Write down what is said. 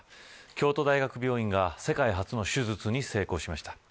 京都大学病院が世界初の手術に成功しました。